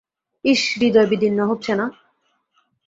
ইস, হৃদয় বিদীর্ণ হচ্ছে– না?